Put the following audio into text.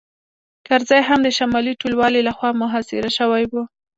کرزی هم د شمالي ټلوالې لخوا محاصره شوی و